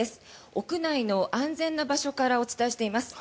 屋内の安全な場所からお伝えしています。